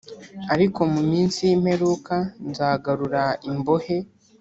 Ariko mu minsi y imperuka nzagarura imbohe